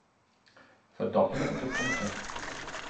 Verdoppelung der Punkte.